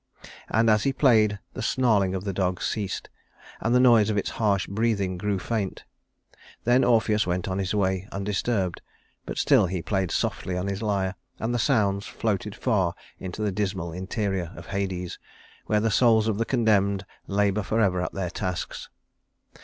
And as he played the snarling of the dog ceased and the noise of its harsh breathing grew faint. Then Orpheus went on his way undisturbed, but still he played softly on his lyre, and the sounds floated far into the dismal interior of Hades, where the souls of the condemned labor forever at their tasks.